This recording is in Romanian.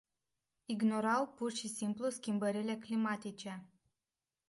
Ignorau pur și simplu schimbările climatice.